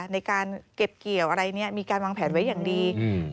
ในการเก็บเกี่ยวอะไรเนี่ยมีการวางแผนไว้อย่างดี